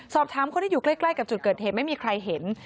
สอบถามคนที่อยู่ใกล้กับจุดเกิดเหตุไม่มีใครเห็น